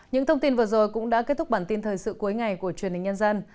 những thông tin vừa rồi cũng đã kết thúc bản tin thời sự cuối ngày của truyền hình nhân dân